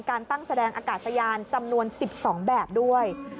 การตั้งแสดงอากาศยานจำนวน๑๒แบบด้วย